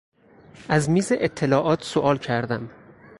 از میز اطلاعات سئوال کردم.